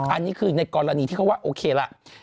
อันนี้คือในกรณีที่เขาว่าโอเคล่ะ